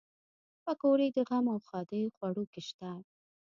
پکورې د غم او ښادۍ خوړو کې شته